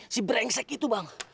si brengsek itu bang